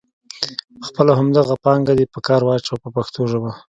خپله همدغه پانګه دې په کار واچوه په پښتو ژبه.